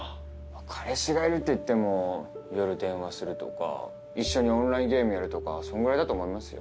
彼氏がいるって言っても夜電話するとか一緒にオンラインゲームやるとかそんくらいだと思いますよ。